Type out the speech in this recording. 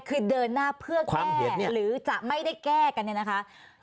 คือเดินหน้าเพื่อแก้หรือจะไม่ได้แก้กันเนี่ยนะคะ